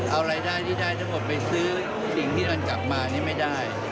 เอารายได้ที่ได้ทั้งหมดไปซื้อสิ่งที่มันกลับมานี่ไม่ได้